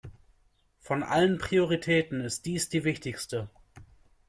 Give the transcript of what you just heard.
Von allen Prioritäten ist dies die wichtigste.